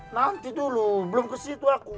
nanti dulu belum kesitu aku